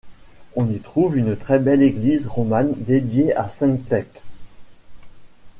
On y trouve une très belle église romane dédiée à Sainte Thècle.